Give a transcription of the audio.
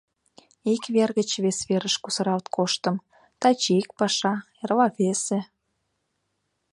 Ик вер гыч вес верыш кусаралт коштым: таче ик паша, эрла — весе.